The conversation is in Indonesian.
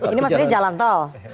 ini maksudnya jalantol